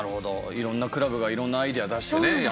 いろんなクラブがいろんなアイデア出してねやってますよね。